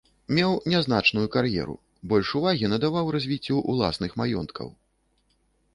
Меў нязначную кар'еру, больш увагі надаваў развіццю ўласных маёнткаў.